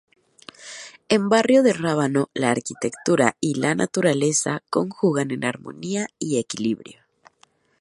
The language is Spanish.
En Barrio de Rábano la arquitectura y la naturaleza conjugan en armonía y equilibrio.